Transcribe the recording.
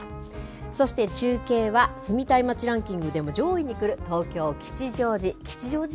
そして中継は、住みたい街ランキングでも上位にくる東京・吉祥寺。